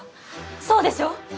そうでしょ！？